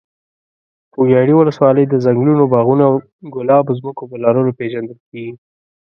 خوږیاڼي ولسوالۍ د ځنګلونو، باغونو او د ګلابو ځمکو په لرلو پېژندل کېږي.